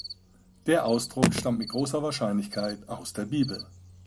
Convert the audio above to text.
Der Ausdruck stammt mit großer Wahrscheinlichkeit aus der Bibel.